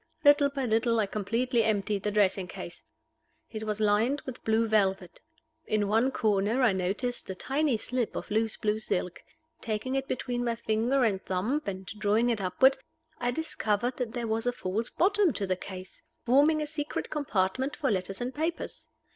Little by little I completely emptied the dressing case. It was lined with blue velvet. In one corner I noticed a tiny slip of loose blue silk. Taking it between my finger and thumb, and drawing it upward, I discovered that there was a false bottom to the case, forming a secret compartment for letters and papers.